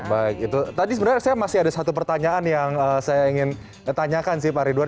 baik itu tadi sebenarnya saya masih ada satu pertanyaan yang saya ingin tanyakan sih pak ridwan